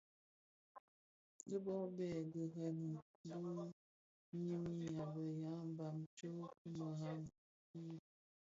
Dhi bo Bè dhemremi bi ňyinim a be ya mbam tsom ki merad ki.